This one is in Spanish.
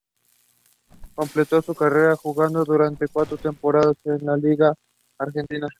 Completó su carrera jugando durante cuatro temporadas en la liga argentina.